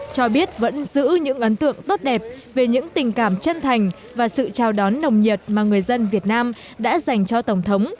cho biết vẫn giữ những ấn tượng tốt đẹp về những tình cảm chân thành và sự chào đón nồng nhiệt mà người dân việt nam đã dành cho tổng thống